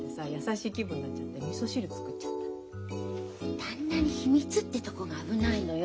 旦那に秘密ってとこが危ないのよ。